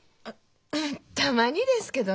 たまにですけどね。